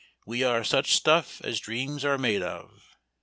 "We are such stuff as dreams are made of!"